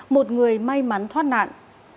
một người may mắn thoát nạn